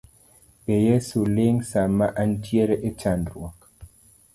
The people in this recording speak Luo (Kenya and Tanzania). Be Yeso ling sama antiere e chandruok